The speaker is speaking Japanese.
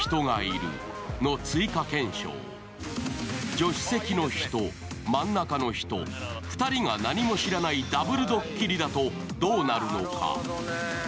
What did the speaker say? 助手席の人、真ん中の人、２人が何も知らないダブルドッキリだとどうなるのか？